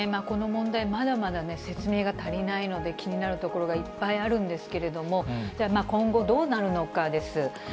この問題、まだまだね、説明が足りないので気になるところがいっぱいあるんですけれども、じゃあ、今後どうなるのかです。